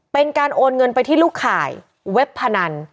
เป็นการโอนเงินไปที่ลูกข่ายเว็บพนัน